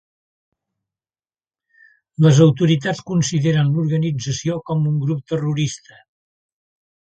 Les autoritats consideren a l'organització com a un grup terrorista.